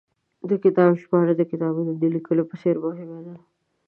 د کتاب ژباړه، د کتاب د لیکلو په څېر مهمه ده